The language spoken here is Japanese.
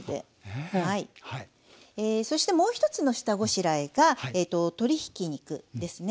そしてもう一つの下ごしらえが鶏ひき肉ですね。